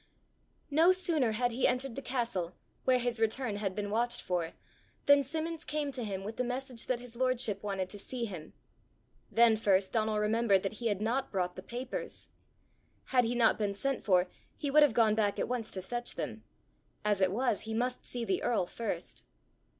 No sooner had he entered the castle, where his return had been watched for, than Simmons came to him with the message that his lordship wanted to see him. Then first Donal remembered that he had not brought the papers! Had he not been sent for, he would have gone back at once to fetch them. As it was, he must see the earl first.